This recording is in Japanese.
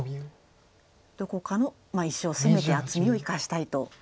どこかの石を攻めて厚みを生かしたいと。